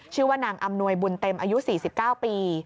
ชื่อว่านางอำนวยบุญเต็มอายุ๔๙ปี